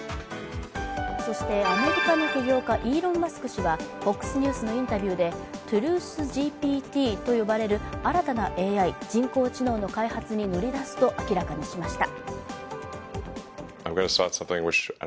そして、アメリカの起業家イーロン・マスク氏はＦＯＸニュースのインタビューでＴｒｕｔｈＧＰＴと呼ばれる新たなＡＩ＝人工知能の開発に乗り出すと明らかにしました。